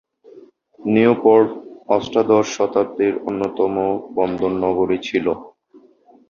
Newport অষ্টাদশ শতাব্দীর অন্যতম বন্দরনগরী ছিল।